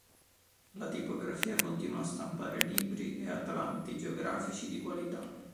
La tipografia continuò a stampare libri e atlanti geografici di qualità.